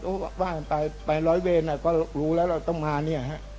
ก็ว่ากันไปไปร้อยเวรก็รู้แล้วเราต้องมาเนี่ยฮะ